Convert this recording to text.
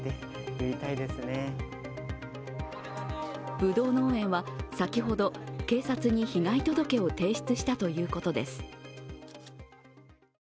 ぶどう農園は先ほど、警察に被害届を提出したということです。